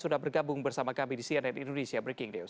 sudah bergabung bersama kami di cnn indonesia breaking news